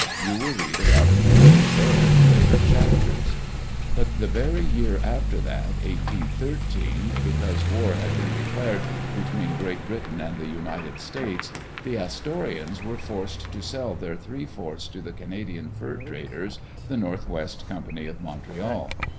You will read about adven tures there in later chapters. But the very year after that, 18 13, because war had been declared between Great Britain and the United States, the Astorians were forced to sell their three forts to the Canadian fur traders, the North West Company of Montreal.